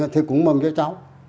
thì cũng mong cho cháu